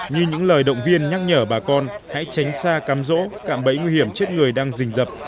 như những lời động viên nhắc nhở bà con hãy tránh xa cam rỗ cạm bẫy nguy hiểm chết người đang rình dập